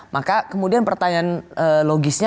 maka kemudian pertanyaan logisnya